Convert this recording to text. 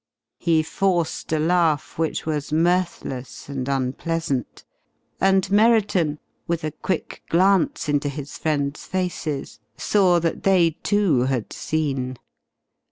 He forced a laugh which was mirthless and unpleasant, and Merriton, with a quick glance into his friends' faces, saw that they too had seen.